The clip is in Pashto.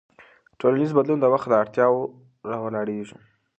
ټولنیز بدلون د وخت له اړتیاوو راولاړېږي.